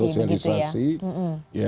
sosialisasi begitu ya